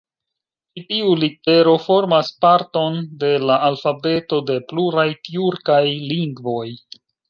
Ĉi tiu litero formas parton de la alfabeto de pluraj tjurkaj lingvoj.